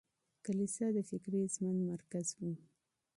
کليسا د فکري ژوند مرکز و.